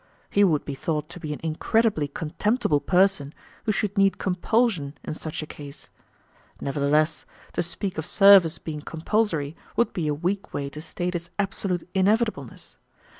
He would be thought to be an incredibly contemptible person who should need compulsion in such a case. Nevertheless, to speak of service being compulsory would be a weak way to state its absolute inevitableness.